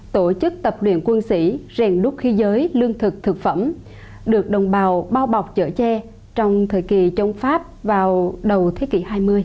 tổ chức tập luyện quân sĩ rèn đúc khi giới lương thực thực phẩm được đồng bào bao bọc chở che trong thời kỳ chống pháp vào đầu thế kỷ hai mươi